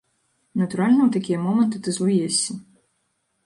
Натуральна, у такія моманты ты злуешся.